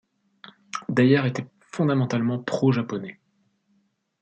Dyer était fondamentalement pro-japonais.